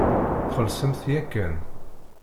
Txellṣemt yakan.